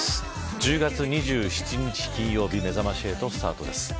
１０月２７日金曜日めざまし８スタートです。